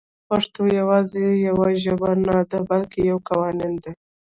پښتو يوازې يوه ژبه نه ده بلکې يو قانون دی